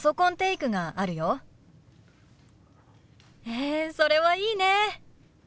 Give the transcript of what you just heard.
へえそれはいいね。